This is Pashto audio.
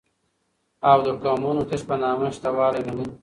او دقومونو تش په نامه شته والى مني